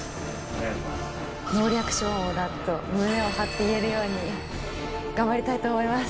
ノーリアクション王だと胸を張って言えるように頑張りたいと思います。